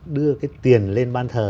đưa cái tiền lên ban thờ